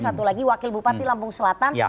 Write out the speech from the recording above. satu lagi wakil bupati lampung selatan